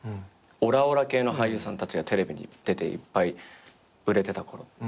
オラオラ系の俳優さんたちがテレビに出ていっぱい売れてたころ。